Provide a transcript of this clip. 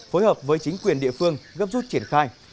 phối hợp với chính quyền địa phương gấp rút triển khai